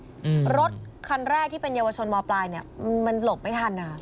อืมรถคันแรกที่เป็นเยาวชนมปลายเนี้ยมันมันหลบไม่ทันอ่ะ